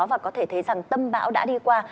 và có thể thấy rằng tâm bão đã đi qua